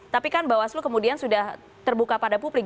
tapi kan bawaslu kemudian sudah terbuka pada publik